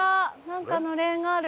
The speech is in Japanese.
なんかのれんがある。